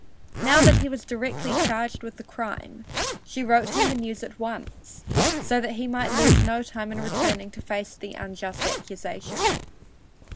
Now that he was directly charged with the crime, she wrote him the news at once, so that he might lose no time in returning to face the unjust accusation.